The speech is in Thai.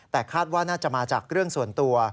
แต่คาดว่าน่าจะมาจากเรื่องส่วนตัว